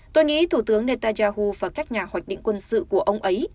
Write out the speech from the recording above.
tôi nghĩ thủ tướng netanyahu và các nhà hoạch định quân sự của ông ấy